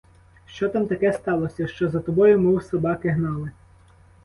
Що там таке сталося, що за тобою мов собаки гнали?